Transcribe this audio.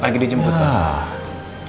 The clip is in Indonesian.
lagi dijemput pak